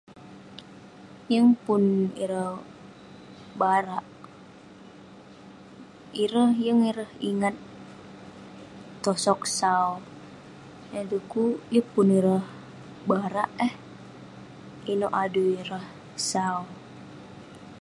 Yeng pun ireh barak. Ireh, yeng ireh ingat tosog sau. Yah dukuk yeng pun ireh barak eh, inouk adui rah sau.